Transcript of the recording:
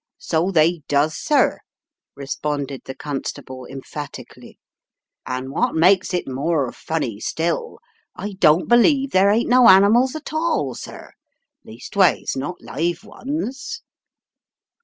"So they does, sir," responded the Constable, emphatically, "an* what makes it more funny still, I don't believe there ain't no animals at all, sir — leastways, not live ones."